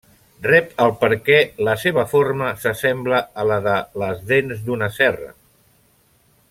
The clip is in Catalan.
Rep el perquè la seva forma s'assembla a la de les dents d'una serra.